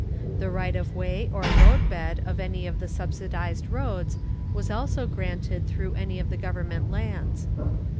The right of way or road bed of any of the subsidized roads was also granted through any of the government lands.